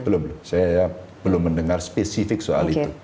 belum saya belum mendengar spesifik soal itu